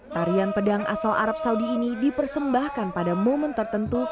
tarian pedang asal arab saudi ini dipersembahkan pada momen tertentu